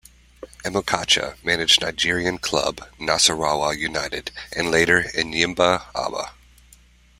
Amokachi managed Nigerian club Nasarawa United and later Enyimba Aba.